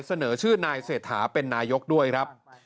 เสนอชื่อนายเศรษฐาเป็นนายกด้วยครับ